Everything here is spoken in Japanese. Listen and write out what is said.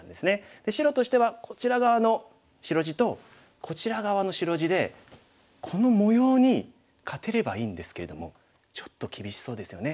で白としてはこちら側の白地とこちら側の白地でこの模様に勝てればいいんですけれどもちょっと厳しそうですよね。